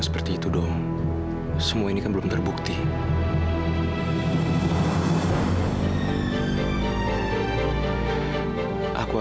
sampai jumpa di video selanjutnya